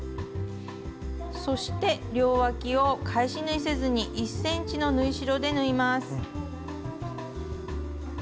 そして両わきを返し縫いせずに１ｃｍの縫い代で縫います。